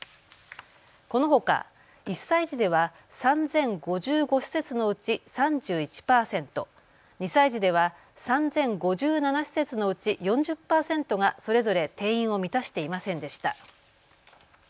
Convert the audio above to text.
このほか、１歳児では３０５５施設のうち３１％、２歳児では３０５７施設のうち４０％がそれぞれ定員を満たしていませんでした。